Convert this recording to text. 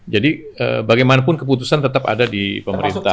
jadi bagaimanapun keputusan tetap ada di pemerintah